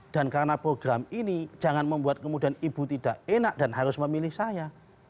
dan karena program ini jangan membuat kemudian ibu tidak enak dan harus memilih saya